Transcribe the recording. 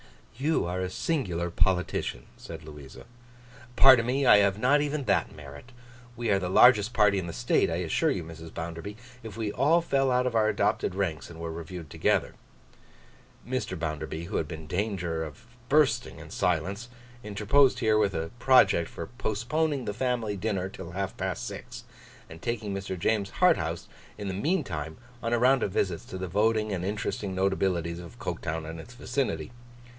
'You are a singular politician,' said Louisa. 'Pardon me; I have not even that merit. We are the largest party in the state, I assure you, Mrs. Bounderby, if we all fell out of our adopted ranks and were reviewed together.' Mr. Bounderby, who had been in danger of bursting in silence, interposed here with a project for postponing the family dinner till half past six, and taking Mr. James Harthouse in the meantime on a round of visits to the voting and interesting notabilities of Coketown and its vicinity.